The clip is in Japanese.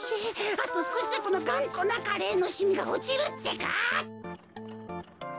あとすこしでこのがんこなカレーのしみがおちるってか。